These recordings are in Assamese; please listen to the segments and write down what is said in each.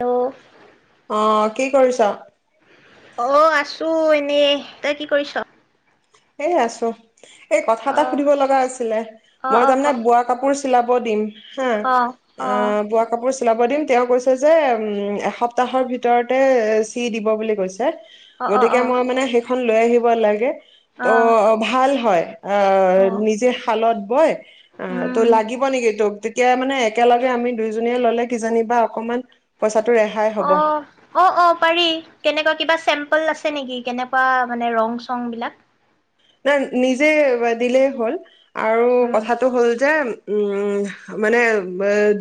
হেল্ল' অ কি কৰিছা? অ আছো এনেই তই কি কৰিছ? এ আছো। এই কথা এটা অ' সুধিব লগা আছিলে অ' মই অ' ক তাৰমানে বোৱা কাপোৰ চলাব দিম হা অ বোৱা কাপোৰ চলাব দিম তেওঁ কৈছে যে এসপ্তাহৰ ভিতৰতে চি দিব বুলি কৈছে। অ' অ' গতিকে অ' মই মানে শেষ এখন লৈ আহিব লাগে। অ ভাল হয়, আহ অ' নিজে শালত বয়। অহ ত উম লাগিব নেকি তোক? এতিয়া মানে একেলগে আমি দুইজনীয়ে ল'লে কিজানিব বা অকণমান অহ অহ অহ পাৰি কেনেকুৱা কিবা চেম্পল আছে নেকি কেনেকুৱা মানে ৰং চং বিলাক? অহ নিজে দিলে হ'ল আৰু উম কথাটো হ'ল যে উম মানে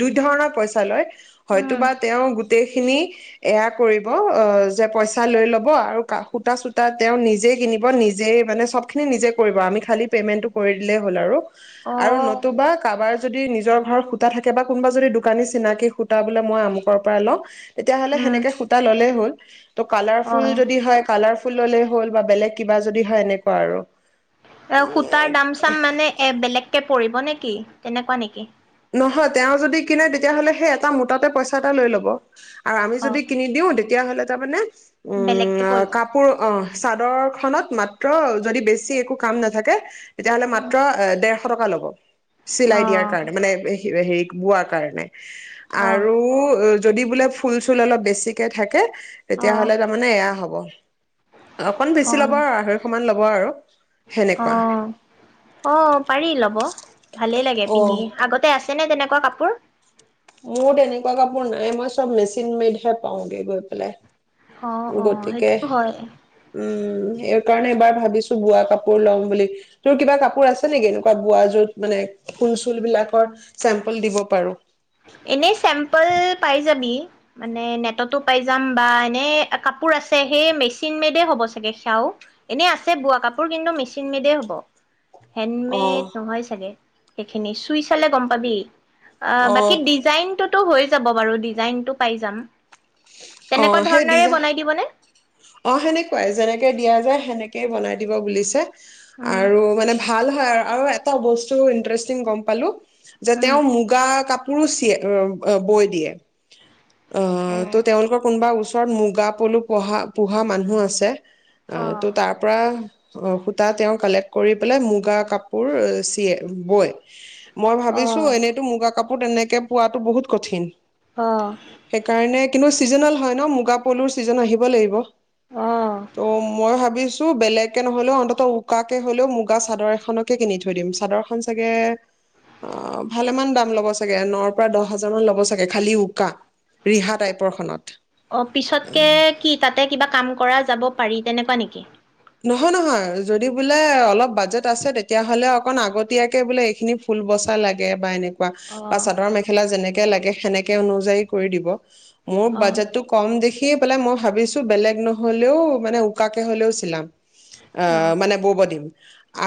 দুই ধৰণৰ পইচা লয়। হয়তো উম বা তেওঁ গোটেই এইখিনি এয়া কৰিব অ যে পইচা লৈ ল'ব আৰু সূতা চুতা তেওঁ নিজে কিনিব নিজে মানে চব এইখিনি নিজে কৰিব আমি খালি পে'মেণ্টটো কৰি দিলেই হ'ল আৰু আৰু অ' নতুবা কাবাৰ যদি নিজৰ ঘৰৰ সূতা থাকে বা কোনোবা যদি দোকানী চিনাকি সূতা বোলে মই আমুকৰ পৰা লও তেতিয়াহলে উম হেনেকে সূতা ল'লেই হ'ল। [unintelligible] তঅ কালাৰফুল অ' যদি হৈ কালাৰ ফুল ললে হ'ল বা বেলেগ কিবা যদি হয় এনেকুৱা আৰু এ সূতাৰ দাম চাম মানে এ বেলেগ তে পৰিব নেকি তেনেকুৱা নেকি নহয় তেওঁ যদি কিনে, তেতিয়াহ'লে সেই এটা মোটাকে পইচা এটা লৈ ল'ব। আৰু আমি অ' যদি কিনি দিওঁ তেতিয়াহ'লে তাৰ মানে উম বেলেগকে অহ‌ পৰিব কাপোৰ অহ চাদৰখনত মাত্ৰ যদি বেছি একো কাম নাথাকে তেতিয়াহ'লে মাত্ৰ ডেৰ এশ টকা ল'ব। চিলাই দিয়াৰ অ' কাৰণে মানে হিৰে হিক বোৱাৰ কাৰণে। অ' আৰু যদি বোলে ফুল - চুল অলপ বেছিকে থাকে।। অ' তেতিয়াহ'লে তাৰমানে এয়া হব। অকন বেছি ল'ব অ' আৰু আঢ়ৈশ মান ল'ব।। হ'ব আৰু, সেনেকুৱা। অ' অ' পাৰি ল'ব। ভালে লাগে পিন্ধি অ আগতে আছে নে তেনেক।। কোৱা কাপোৰ? মোৰ তেনেকুৱা কাপোৰ নাই মই চব মেচিন মেইডহে পাওঁগে গৈ অ', পেলাই। অ', গতিকে সেইটো হয় উম [inaudible] সেই কাৰণে এবাৰ ভাবিছোঁ বোৱা কাপোৰ লম বুলি। তোৰ কিবা কাপোৰ আছে নেকি, এনেকুৱা বোৱা যত মানে ফুল - চুল বিলাকৰ চেম্পল দিব পাৰোঁ। এনেই চেম্পল পাই যাবি মানে নেটতো পাই যাম বা এনে চেম্পিল পাই যাবি। মানে নেটতো পাই যাম বা এনে কাপোৰ আছে। সেই মেচিন মেডে হ'ব চাগে সেয়াও, এনেই আছে বোৱা কাপোৰ কিন্তু মেচিন মেডেই হ'ব। অ হেণ্ডমেড নহয় চাগে সেইখিনি চুই চালে গম পাবি। অহ। ডিজাইনটো টো হৈ যাব বাৰু, ডিজাইনটো পায় যাম। অ তেনেকুৱাঁ সেই ধৰণৰে ডিজাইন বনাই দিবনে? অ' সেনেকুৱাই, যেনেকে দিয়া যায় সেনেকেই বনাই দিব বুলিছে। উম, আৰু মানে ভাল। হয় আৰু এটা বস্তু ইন্টাৰেষ্টিং গম পালোঁ। যে উম, তেওঁ মুগা কাপ [unintelligible] বৈ দিয়ে। অ-হ, তো তেওঁলোকৰ কোনোবা ওচ মুগা পলু পোহা পোহা মানুহ আছে। অ', ত' তাৰ পৰা সূতা তেওঁ কালেক্ট কৰি পেলাই মুগা কাপোৰ চিয়ে, বয়। মই ভাবিছোঁ অ', এনেইতো মুগা কাপ পোৰ তেনেকে পোৱাতো বহুত কঠিন। অ' চিজনেল হয় ন, মুগা পলুৰ ছিজন আহিব লাগিব। অ'। ত' মই ভাবিছ তু, বেলেগকে নহলেও অন্তত উকাকে হলেও মুগা চাদৰ এখনকে কিনি থৈ দিম। চাদৰ খন চাগে অ ভালেমান দাম ল'ব চাগে, নৰ পৰা দহ হাজাৰ মান ল'ব চাগে, খালি উকা। ৰিহা টাইপৰ খনত অ পিছতকে কি তাতে কিবা কাম কৰা যাব পাৰি, তেনেকুৱা নেকি? নহয়- নহয়, যদি বোলে অলপ বাজেট আছে, তেতিয়াহ'লে অকন আগতীয়াকে বোলে এইখিনি ফুল বচা লাগে, বা এনে কুৱা। অ বা চাদৰ মেখেলা যেনেকে লাগে সেনেকে অনুযায়ী কৰি দিব। মোৰ অ বাজেটটো কম দেখি সেই পেলাই মই ভাবিছোঁ বেলেগ নহ'লেও মানে উকাকে হ'লেও চিলাম। অ অ মানে বোৱ দিম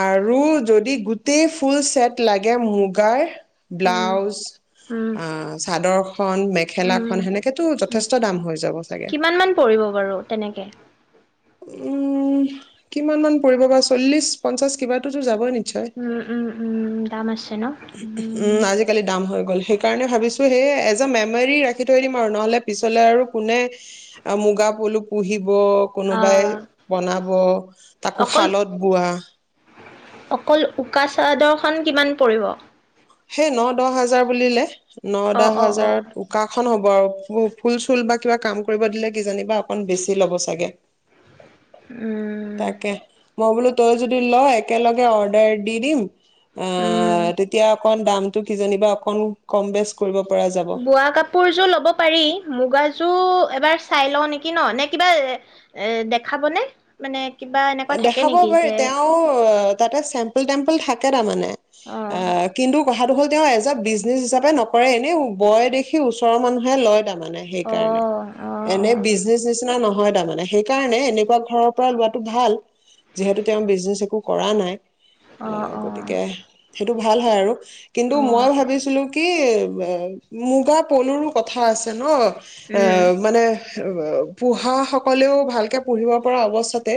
আৰু যদি গোটেই ফুল চেট লাগে মুগাৰ। উম ব্লাউজ, উম আহ চাদৰখন, উম মেখেলাখন সেনেকেতো উম যথেষ্ট দাম হৈ যাব চাগে! কিমান মান পৰিব বাৰু তেনেকে? উমম কিমান মান পৰিব বা চল্লিশ পঞ্চাশ কিবাটোতো যাব ন উম উম উম দাম আছে ন উম আজিকালি দাম হৈ গ'ল সেইকাৰণে ভাবিছোঁ সেয়ে এজ এ মেমৰী ৰাখি থৈ দিম আৰু নহ'লে পিছলৈ আৰু কোনে মুগা পলু পুহিব অ কোনোবাই বনাব, তাকো অকল শালত বোৱা। অকল উকা চাদৰখন কিমান পৰিব? সেই ন দহ হাজাৰ বুলিলে অ ন-দহ অ অ হাজাৰত উকাখন হ [unintelligible] ফুল চুল বা কিবা কাম কৰিব দিলে কিজানিবা অকন বেছি ল'ব চাগে। উম তাকে। মই বোলো তই যদি ল একেলগে অৰ্ডাৰ দি দিম উম অ' তেতিয়া [unintelligible] দামটো কিজানিবা অকণ কম বেছ বোৱা কাপোৰ যোৰ ল'ব পাৰি, মুগা [unintelligible] এবাৰ চাই লওঁ নেকি ন নে কিবা এ এ দেখাব নে? মানে কিবা এনেকুৱা থাকে দেখাব নেকি পাৰি যে তেওঁ আ তাতে চেম্পল-টেম্পল থাকে তাৰমানে অ কিন্তু কথাটো হ'ল তেওঁ এজ এ বিজনেছ হিচাপে নকৰে এনেই বয় দেখি ওচৰৰ মানুহে লয় দাম। মানে সেইকাৰণে। অ', অ', এনে বিজনেচ নিচিনা নহয় [unintelligible] সেইকাৰণে এনেকুৱা ঘৰৰ পৰা লোৱাটো ভাল যিহেতু তেওঁ বিজনেচ একো কৰা নাই অ', আহ অ', গতিকে সেইটো ভাল হয় আৰু কিন্তু মই অ', ভাবিছিলো কি [unintelligible] মুগা পলুৰো কথা আছে ন! আ উম, মানে [unintelligible] পো়হাসকলেও ভালকে পুহিব পৰা অৱস্থাতে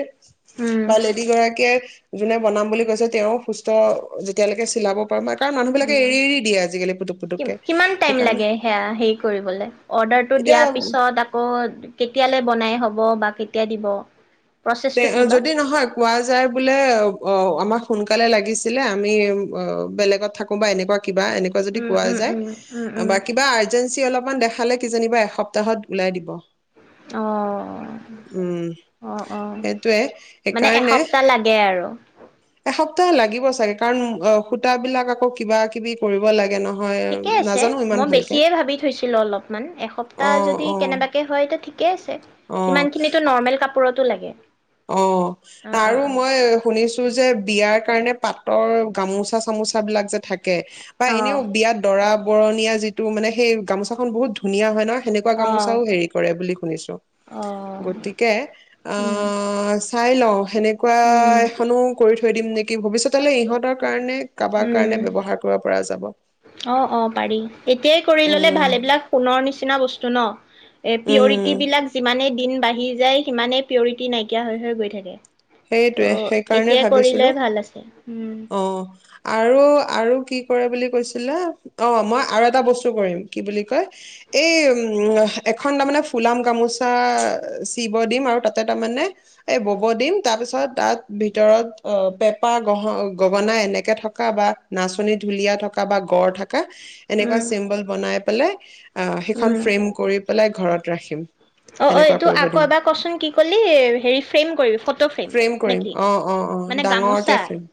বা উম, লেডি গৰাকীয়ে জোনে বনাম বুলি কৈছে তেওঁ সুস্থ যেতিয়ালৈকে চিলাব পাৰো কাৰণ মানুহ বিলাকে এৰি এৰি দিয়ে আজিকালি পুটুক উম, পুটুককে কিমান টাইম সেইকাৰণে লাগে হেয়া হেৰি কৰিবলে? অৰ্ডাৰটো দিয়াৰ এতিয়া পিছত আকৌ কেতিয়ালৈ বনাই হব বা কেতিয়া দিব? প্ৰচেছটো কি [unintelligible] বা? যদি নহয় কোৱা যায় বোলে অ আমাক সোনকালে লাগিছিলে আমি অ বেলেগত থাকো বা এনেকুৱা কিবা এনেকুৱা যদি উম, কোৱা উম, যায়, উম, উম, উম, বা কিবা আৰজেঞ্চি অলপমান খালে কিজানিবা এসপ্তাহত ওলাই দিব অ উম অ অ সেইটোৱে সেইকাৰণে এৰো এসপ্তাহ লাগিব চাগে কাৰণ অ সূতাবিলাক আকৌ কিবা কিবি কৰিব লাগে ন ঠিকেই আছে মই বেছিয়েই ভাবি থৈছিলো অলপমান এসপ্তাহ অ যদি অ কেনেবাকে হয় এতিয়া ঠিকেই আছে অ ইমানখিনিত নৰমেল কাপোৰত লাগে অ অ', অ', আৰু অ', মই শুনিছো যে বিয়াৰ কাৰণে পাত তৰ গামোচা চামোচা বিলাক যে থাকে কে বা অ', এনেও বিয়াত দৰা বৰণীয়া যিটো মানে সেই গামোচা খন বহুত ধুনীয়া হয় ন সেনেকুৱা অ'। গামোচাও হেৰি কৰে বুলি শুনিছো অ', গতিকে আহ উম, আঁচ ঠাইল সেনেকুৱা উম, এখনো কৰি থ থৈ দিম নেকি ভৱিষ্যতলৈ ইহঁতৰ কাৰণে কাৰবাৰ উম। কাৰণে ব্যৱহাৰ কৰা পৰা যাব অ অ পাৰি এতিয়াই কৰি ল'লে উম ভাল এইবিলাক সোণৰ নিচিনা বস্তু চুন এ উম পিউৰিটি বিলাক যিমানেই দিন বাঢ়ি যায় সিমানে পিউৰিটি নাইকিয়া হৈ হৈ গৈ থাকে সেইটোৱে ত' সেইকাৰণে এতিয়াই কৰিলে ভাবিছিলো ভাল আছে উম, অ আৰু আৰু কি কৰে বুলি কৈছিলে অঁ মই আৰু এটা বস্তু কৰিম কি বুলি কয় এই এখন তাৰমানে ফুলাম গামোচা চিব দিম আৰু তাতে তাৰমানে এই বব দিম তাৰ পিছত তাত ভিতৰত অ পেপা গহ গগনা এনেকে থকা বা নাচনী ঢুলীয়া থকা বা গঁড় থাকা কা এনেকুৱা উম, চিম্বল বনাই পেলাই আহ সেইখন উম। ফ্ৰেম কৰি পেলাই ঘৰত ৰাখিম অ অ সেনেকুৱা এইটো কৰিব আকৌ দিম এবাৰ কচোন কি কলি হেৰি ফ্ৰেম কৰিবি ফটো ফ্ৰেম কৰিম অ অ অ মানে ডাঙৰকে গামোচা ফ্ৰেম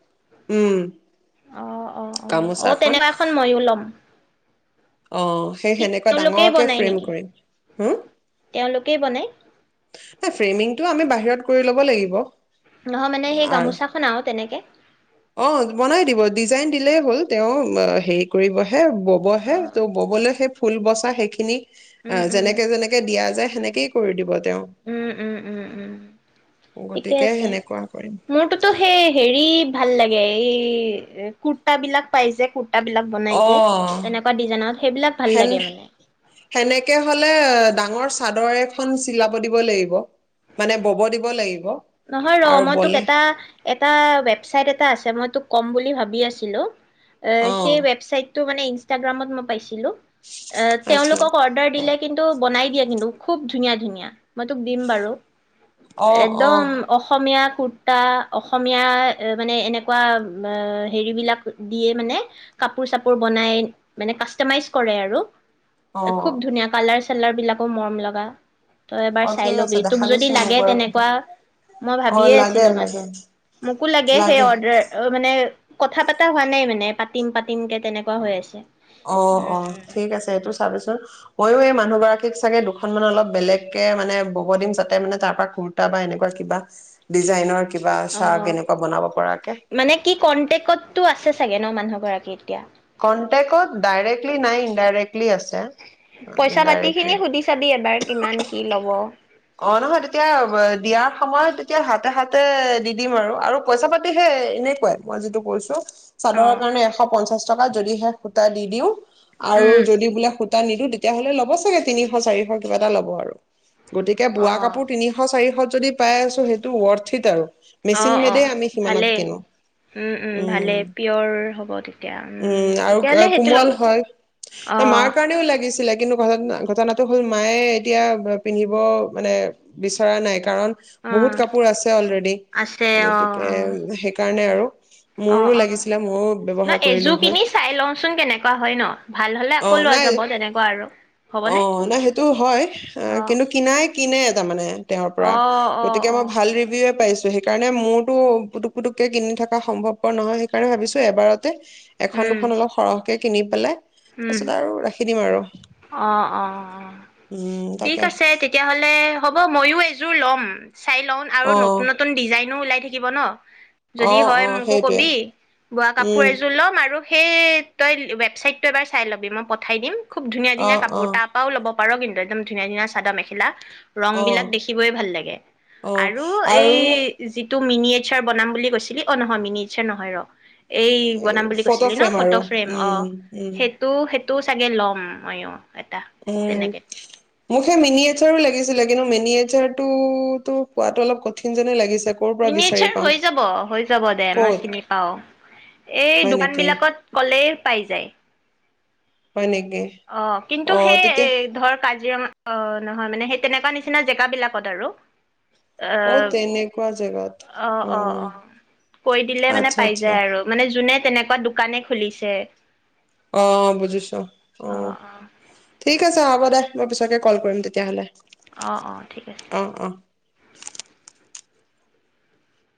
উম অ', অ', অ', অ', গামোচাখন তেনেকুৱা এখন ময়ো ল'ম। অ সেই কি সেনেকুৱা তেওঁলোকেই ডাঙৰকে বনাই ফ্ৰেম নেকি কৰিম হুম তেওঁলোকেই বনাই উফ ফ্ৰেমিংটোটো আমি বাহিৰত কৰি ল'ব লাগিব নহয় মানে সেই গামোচাখন আৰু তেনেকে অ বনাই দিব ডিজাইন দিলেই হ'ল তেওঁ হেৰি কৰিব হে হে ব'ব হে অ', তেও ব'বলৈ সেই ফুল বচা সেইখিনি অ উম, উম, যেনেকে যেনেকে দিয়া যায় সেনেকে কি কৰি দিব তেওঁ উম উম উম উম ঠিকে গতিকে আছে সেনেকুৱা কৰিম। মোৰটোতো সেই হেৰি ভাল লাগে এই কুুৰ্তাবিলাক পাইছে কু অ সেইবিলাক ভাল সেন লাগে মানে। সেনেকে হ'লে ডাঙৰ চাদৰ এখন চিলাব দিব লাগিব মানে বব দিব লাগিব নহয় ৰ আৰু মই তোক বলে এটা এটা ৱেবচাইট এটা আছে মই তোক ক'ম বুলি ভাবি আছিলো অ', সেই ৱেবছাইট ত মানে ইনষ্টাগ্ৰামত মই পাইছো পাইছিলো এ আচ্ছা তেওঁলোকক অৰ্ডাৰ দিলে কিন্তু বনাই দিয়ে কিন্তু খুব ধুনীয়া ধুনীয়া মই তোক দিম বাৰু অ একদম অ'। অসমীয়াত কুুৰ্তা অসমীয়া মানে এনেকুৱা হেৰিবিলাক দিয়ে মানে কাপোৰ চাপোৰ বনাই মানে কাষ্টমাইজ কৰে আৰু অ এ খুব ধুনীয়া কালাৰচ চেলাৰ বিলাকো মৰম লগা তই এবাৰ অ চাই ঠিক আছে ল'বি তোক যদি দেখাবিচোন মোক লাগে বাৰু সেইটো তেনেকুৱা মই অ ভাবিয়ে লাগে আছিলো মানে লাগে মোকো লাগে সেই অৰ্ডাৰ মানে কথা পতা হোৱা নাই মানে পাতিম পাতিম কে তেনেকুৱা হৈ আছে অ অ উম ঠিক আছে এইটো চাবিচোন ময়ো এই মান মানুহ গৰাকীক চাগে দুখন মান অলপ বেলেগ কে মানে বব দিম যাতে মানে তাৰ পৰা কুুৰ্তা বা এনেকুৱা কিবা ডিজাইনৰ কিবা অ চাৰ্ট এনেকুৱা বনাব পৰাকে মানে কি কনটেকতটো আছে চাগে নহ মানুহগৰাকীত কনটেকত ডাইৰেক্টলি নাই ইনডাইৰেক্টলি আছে পইচা পাতি খিনি সুধি চাবি এবাৰ ইনডাইৰেক্টলি কিমান কি ল'ব অ নহয় তেতিয়া দিয়াৰ সময়ত তেতিয়া হাতে হাতে দি দিম আৰু আৰু পইচা পাতিহে এনেকুৱাই মই যিটো কৈছো চাদৰৰ অ', কাৰণে এশ পঞ্চাশ চকা যদি হে সূতা দি দিওঁ- আৰু উম, যদি বোলে- দুটা নিদো তেতিয়াহ'লে ল'ব চাগে তিনিশ চাৰিশ কিবা এটা ল'ব আৰু- গতিকে বোৱা অ', কাপোৰ তিনিশ চাৰিশ- যদি পাই আছো সেইটো ৱৰ্থিত আৰু মেচিন অ', মেডে অ', আমি সিমানত ভালেই। কিনো উম, উম, উ ভালে পিয়ৰ হ'ব তেতিয়া উ উম, আৰু তেতিয়াহ'লে সেইটো কোমল লগ হয় মাৰ অ', কাৰণেও লাগিছিলে কিন্তু ঘৰত না- ঘটনাটো হ'ল মায়ে এতিয়া- পিন্ধিব মানে বিচৰা নাই- কাৰণ অ', বহুত কাপোৰ আছে অলৰেডি আছে অ', গতিকে অ', সেইকাৰণে আৰু- অ মোৰো অ লাগিছিলে ময়ো ন ব্যৱহাৰ কৰিলো এযোৰ হয়। কিনি চাই লওঁচোন কেনেকুৱা হয় ন ভাল হ'লে অ আকৌ লোৱা নাই যাব তেনেকুৱা আৰু অ হ'বনে সেইটো হয় আহ, অ? কিন্তু নাই কিনে তাৰমানে তেওঁৰ পৰা অ', অ', গতিকে মই অ', ভাল ৰিভিউয়ে পাইছো। সেইকাৰণে মোৰোটো পুটুক পুটুকে কিনি থকা সম্ভৱপৰ নহয় সেইকাৰণে ভাবিছোঁ এবাৰত - এখন উম, দুখন অলপ সৰহকে- কিনি পেলাই- উম, তাৰপিছত আৰু ৰাখি দিম আৰু অ', অ', অ'। উম ঠিক তাকে- আছে তেতিয়াহলে হ'ব মইয়ো এইযোৰ ল'ম। চাই লও আৰু অ নতুন নতুন ডিজাইনো ওলাই থাকি- কিব ন অ যদি হয় অ মোকো সেইটোৱে কবি বোৱা কাপোৰ উম এযোৰ ল'ম আৰু- সেই তই ৱেবছাইট- ত এবাৰ চাই ল'বি মই পঠাই দিম। খুব ধুনীয়া অ ধুনীয়া অ কাপোৰ তাৰ পৰাও ল'ব- পাৰ কিন্তু একদম ধুনীয়া ধুনীয়া চাদৰ মেখেলা- ৰং অ বিলাক দেখিবই ভাল লাগে অ আৰু এই যি- তো মিনি এচাৰ বনাম বুলি কৈছিলি অ নহয় মিনি এচাৰ নহয় ৰ- এই বনাম বুলি ফটো কৈছিলি ন ফ্ৰেম আৰু ফটো ফ্ৰেম অ উম উম। সেইটো সেইটো চাগে ল'ম মইয়ো। উম মোক সেই মিনি এছাৰো লাগিছিলে কিন্তু মিনি এচাৰ টো তো কোৱাটো অলপ কঠিন যেনে লাগিছে। ক'ৰ পৰা বিচাৰি মিনীয়াচাৰ পাম হৈ যাব হৈ যাব দে মই ক'ত চিনি পাওঁ এই হয় দোকান নেকি বিলাকত ক'লেই- পাই যায়। হয় নেকি অ কিন্তু অ সেই এ তেতিয়া এই ধৰ কাজিৰঙা- অঁ নহয় মানে সেই তেনেকুৱা নিচিনা জেগা বিলাকত আৰু অ অঁ তেনেকুৱা জেগাত অঁ অ অঁ অঁ কৈ দিলে মানে আচ্ছা পাই আচ্ছা যায় আৰু মানে যোনে তেনেকুৱা দোকানে খুলিছে। অ' বুজিছো অ' অ' ঠিক আছে হ'ব দে মই পিছতে কল কৰিম তেতিয়াহ'লে অ' অ' ঠিক আছে। অ অ